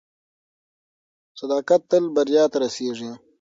صداقت تل بریا ته رسیږي.